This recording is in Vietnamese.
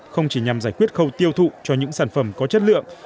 không chỉ nhằm giải quyết khâu tiêu thụ cho những sản phẩm có chất lượng